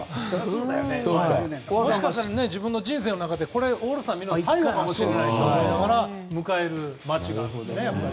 もしかしたら自分の人生の中でオールスターを見るのが最後かもしれないと思いながら迎える街があるので。